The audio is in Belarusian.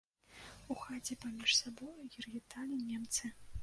У хаце паміж сабою гергеталі немцы.